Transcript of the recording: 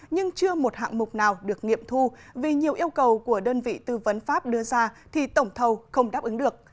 nhưng chưa một hạng mục nào được nghiệm thu vì nhiều yêu cầu của đơn vị tư vấn pháp đưa ra thì tổng thầu không đáp ứng được